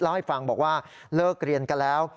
ให้ฟังบอกว่าเลิกเรียนกันแล้ว